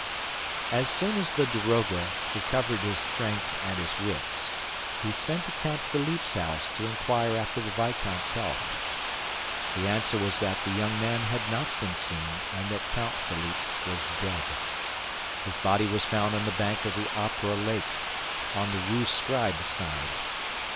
As soon as the daroga recovered his strength and his wits, he sent to Count Philippe's house to inquire after the viscount's health. The answer was that the young man had not been seen and that Count Philippe was dead. His body was found on the bank of the Opera lake, on the Rue Scribe side.